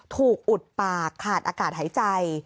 อุดปากขาดอากาศหายใจ